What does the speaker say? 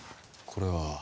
これは？